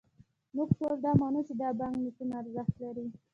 موږ ټول دا منو، چې دا بانکنوټونه ارزښت لري.